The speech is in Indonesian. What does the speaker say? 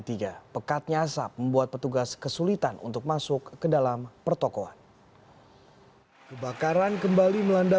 tiga pekatnya asap membuat petugas kesulitan untuk masuk ke dalam pertokohan kebakaran kembali melanda